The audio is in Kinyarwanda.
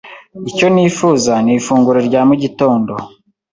Icyo nifuza ni ifunguro rya mu gitondo.